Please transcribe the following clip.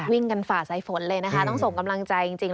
วิ่งกันฝ่าสายฝนเลยนะคะต้องส่งกำลังใจจริง